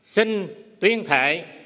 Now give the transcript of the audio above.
xin tuyên thệ